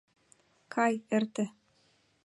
— Кай, эрте.